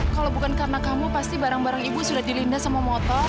kalau bukan karena kamu pasti barang barang ibu sudah dilinda sama motor